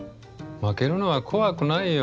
負けるのは怖くないよ。